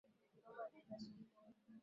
Mama anaenda sokoni.